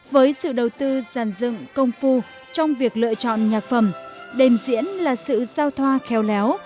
với sự đầu tư giàn dựng công phu trong việc lựa chọn nhạc phẩm đềm diễn là sự giao thoa khéo léo